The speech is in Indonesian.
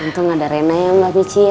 tentang ada rena ya mbak michi ya